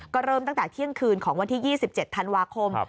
ก็เริ่มตั้งแต่เที่ยงคืนของวันที่๒๗ธันวาคม